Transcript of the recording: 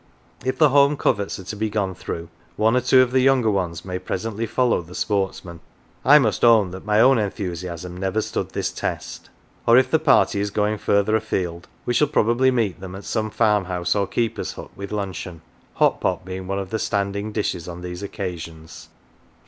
If the home coverts are to be gone through, one or two of the younger ones may presently follow the sportsmen (I must own that my own enthusiasm never stood this test) ; or if the party is going further afield, we shall probably meet them at some farmhouse or keeper's hut with luncheon ;" hot pot " being one of the standing dishes on these occasions.